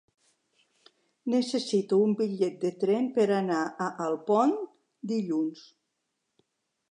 Necessito un bitllet de tren per anar a Alpont dilluns.